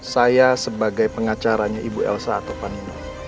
saya sebagai pengacaranya ibu elsa atau pani